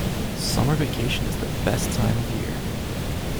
Summer vacation is the best time of the year!